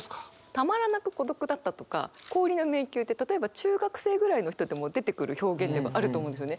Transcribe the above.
「たまらなく孤独だった」とか「氷の迷宮」って例えば中学生ぐらいの人でも出てくる表現でもあると思うんですね。